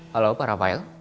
halo pak rafael